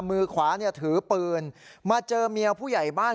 มือขวาเนี่ยถือปืนมาเจอเมียผู้ใหญ่บ้าน